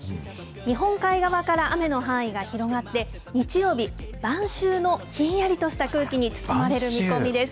日本海側から、雨の範囲が広がって、日曜日、晩秋のひんやりとした空気に包まれる見込みです。